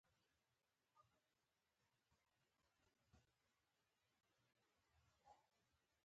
هغه په اندیښنه پوښتنه وکړه چې اوس به څه کوو